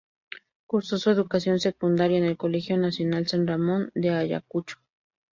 Cursó su educación secundaria en el Colegio Nacional San Ramón de Ayacucho.